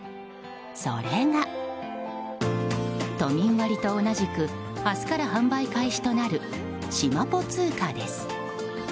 それが、都民割と同じく明日から販売開始となるしまぽ通貨です。